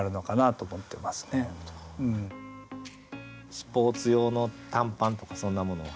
スポーツ用の短パンとかそんなものを履かれた？